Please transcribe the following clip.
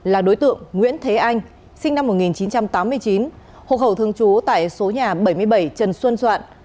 là đối tượng nguyễn thế anh sinh năm một nghìn chín trăm tám mươi chín hộp hậu thương chú tại số nhà bảy mươi bảy trần xuân doạn